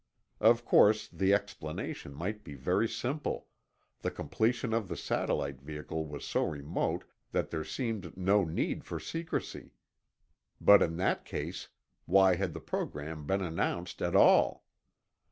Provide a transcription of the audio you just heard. Of course, the explanation might be very simple: The completion of the satellite vehicle was so remote that there seemed no need for secrecy. But in that case, why had the program been announced at all?